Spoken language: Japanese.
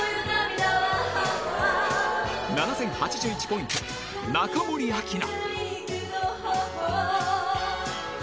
７０８１ポイント、中森明菜。